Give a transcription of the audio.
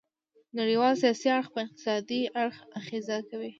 نړیوال سیاسي اړخ په اقتصادي اړخ اغیزه کوي